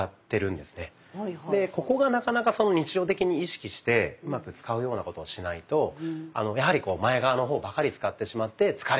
でここがなかなか日常的に意識してうまく使うようなことをしないとやはり前側の方ばかり使ってしまって疲れやすい。